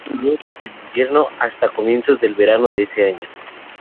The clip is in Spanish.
La gira duró desde el invierno hasta comienzos del verano de ese año.